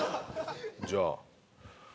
じゃあ。